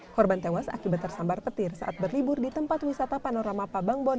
korban tewas akibat tersambar petir saat berlibur di tempat wisata panorama pabangbon